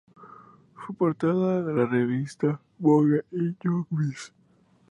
Fue portada de la revista Vogue y Young Miss.